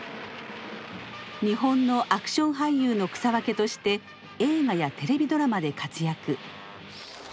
日本のアクション俳優の草分けとして映画やテレビドラマで活躍。